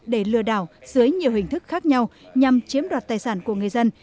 để lừa đảo dưới nhiều hình thức khác nhau nhằm chiếm đoạt tài sản của người dân